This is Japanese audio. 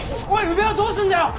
宇部はどうすんだよ！